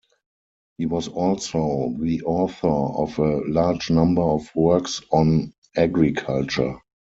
He was also the author of a large number of works on agriculture.